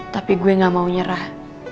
tapi gue gak mau nyerah